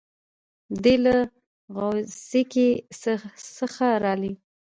دی له غوڅکۍ څخه رالی.